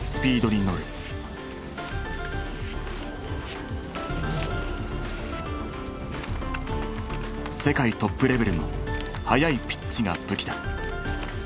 世界トップレベルの速いピッチが武器だ。